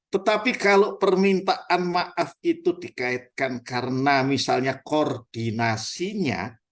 tetapi kalau permintaan maaf itu dikaitkan karena misalnya koordinasinya